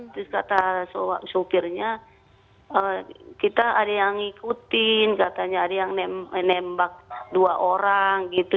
terus kata supirnya kita ada yang ngikutin katanya ada yang menembak dua orang gitu